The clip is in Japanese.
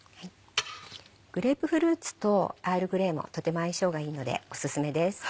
グレープフルーツとアールグレーもとても相性がいいのでオススメです。